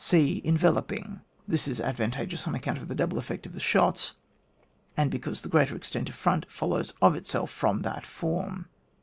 c. Enveloping. This is advantageous on account of the double effect of the shots, and because the greater extent of front follows of itself from that form.